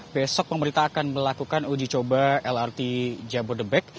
besok pemerintah akan melakukan ujicoba lrt jambu dabek